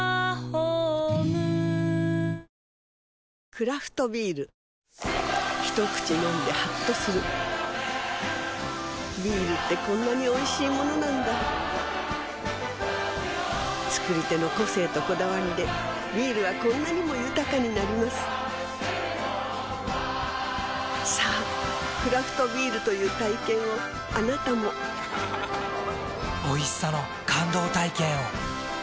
クラフトビール一口飲んでハッとするビールってこんなにおいしいものなんだ造り手の個性とこだわりでビールはこんなにも豊かになりますさぁクラフトビールという体験をあなたもおいしさの感動体験を。